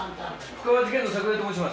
布川事件の桜井と申します。